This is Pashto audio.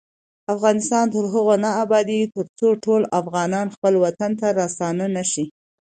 افغانستان تر هغو نه ابادیږي، ترڅو ټول افغانان خپل وطن ته راستانه نشي.